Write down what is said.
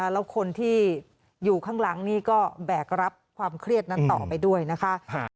แล้วคนที่อยู่ข้างหลังนี่ก็แบกรับความเครียดนั้นต่อไปด้วยนะคะ